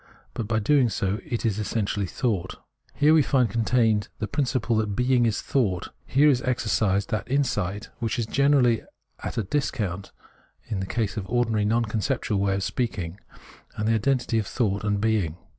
But by doing so it is essentially Thought. Preface 53 Here we find contained the principle that Being is Thought : here is exercised that insight which is generally at a discount in the case of the ordinary non conceptual way of speaking of the identity of thought and being.